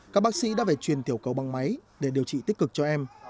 các bác sĩ đã về truyền tiểu cầu băng máy để điều trị tích cực cho em